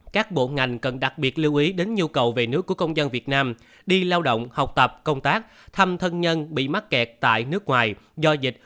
các bộ ngành cần đặc biệt lưu ý đến nhu cầu về nước của công dân việt nam đi lao động học tập công tác thăm thân nhân bị mắc kẹt tại nước ngoài